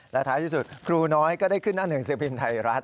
และท้ายที่สุดครูน้อยก็ได้ขึ้นหน้าหนึ่งสือพิมพ์ไทยรัฐ